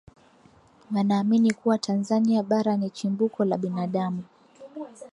wanaamini kuwa Tanzania bara ni chimbuko la binadamu